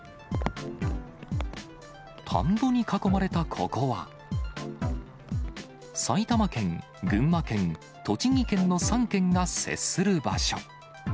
田んぼに囲まれたここは、埼玉県、群馬県、栃木県の３県が接する場所。